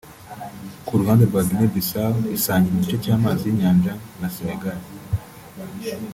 Ku ruhande rwa Guinée-Bissau isangira igice cy’amazi y’inyanja na Sénégal